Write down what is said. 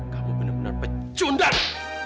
kamu benar benar pecundang